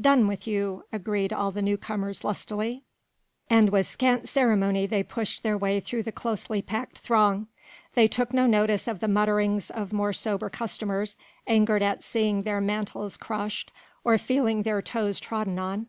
"Done with you," agreed all the newcomers lustily, and with scant ceremony they pushed their way through the closely packed throng. They took no notice of the mutterings of more sober customers, angered at seeing their mantles crushed or feeling their toes trodden on.